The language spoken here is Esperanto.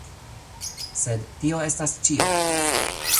Sed tio estas ĉio.